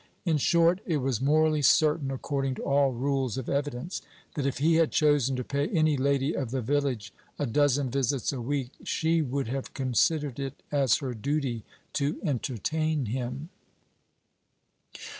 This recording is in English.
In short, it was morally certain, according to all rules of evidence, that if he had chosen to pay any lady of the village a dozen visits a week, she would have considered it as her duty to entertain him.